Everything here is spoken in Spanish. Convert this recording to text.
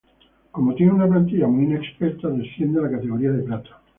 Como tiene una plantilla muy inexperta, desciende a la categoría de plata.